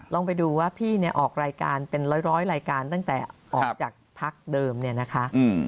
ลองไปดูว่าพี่เนี่ยออกรายการเป็นร้อยรายการตั้งแต่ออกจากพักเดิมเนี่ยนะคะ